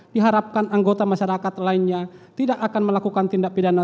diharapkan anggota masyarakat lainnya tidak akan melakukan tindak pidana